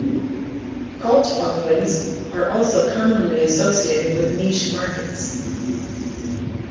Cult followings are also commonly associated with niche markets.